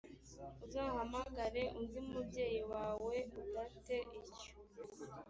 uzahamagare undi mubyeyi wawe uda te icyo